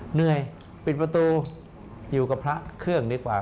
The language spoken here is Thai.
เหนื่อยปิดประตูอยู่กับพระเครื่องดีกว่า